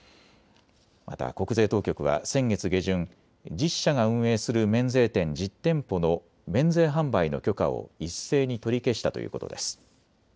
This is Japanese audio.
また国税当局は先月下旬、１０社が運営する免税店１０店舗の免税販売の許可を一斉に取り消したということです。